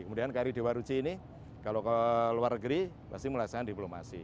kemudian kri dewa ruci ini kalau ke luar negeri pasti melaksanakan diplomasi